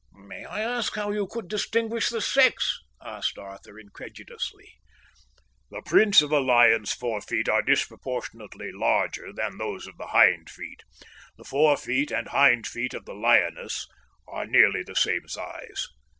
"May I ask how you could distinguish the sex?" asked Arthur, incredulously. "The prints of a lion's fore feet are disproportionately larger than those of the hind feet. The fore feet and hind feet of the lioness are nearly the same size."